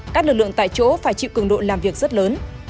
các lực lượng tại chỗ phải chịu cường độ làm việc rất lớn